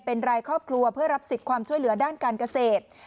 เป็นรายครอบครัวเพื่อรับสิทธิ์ความช่วยเหลือด้านการเกษตร